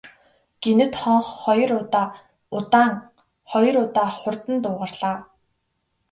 Гэнэт хонх хоёр удаа удаан, хоёр удаа хурдан дуугарлаа.